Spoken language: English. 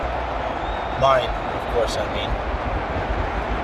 Mine, of course, I mean.